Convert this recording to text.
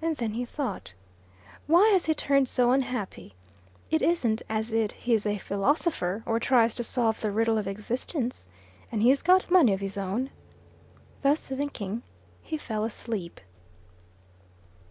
And then he thought, "Why has he turned so unhappy? It isn't as it he's a philosopher, or tries to solve the riddle of existence. And he's got money of his own." Thus thinking, he fell asleep.